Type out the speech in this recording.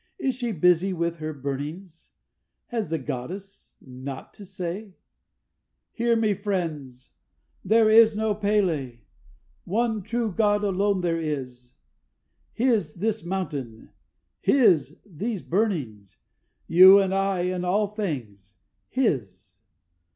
Is she busy with her burnings? Has the goddess nought to say? Hear me, friends! There is no P├®l├®! One true God alone there is. His, this mountain! His, these burnings! You, and I, and all things, His!